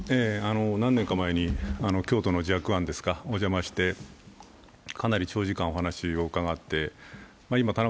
何年か前に京都の寂庵にお邪魔してかなり長時間、お話を伺って。